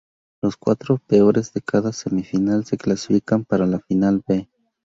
Los cuatro peores de cada semifinal se clasifican para la final 'B'.